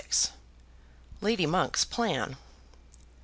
Lady Monk's Plan.